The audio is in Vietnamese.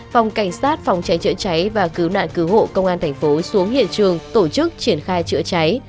phòng cảnh sát phòng cháy chữa cháy và cứu nạn cứu hộ công an thành phố xuống hiện trường tổ chức triển khai chữa cháy